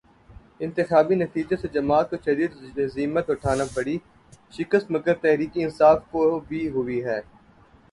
انتخابی نتیجے سے جماعت کو شدید ہزیمت اٹھانا پڑی، شکست مگر تحریک انصاف کو بھی ہوئی ہے۔